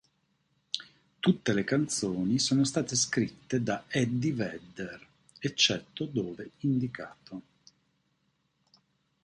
Tutte le canzoni sono state scritte da Eddie Vedder, eccetto dove indicato.